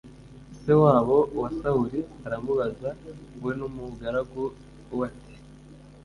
se wabo wa sawuli aramubaza, we n'umugaragu we, ati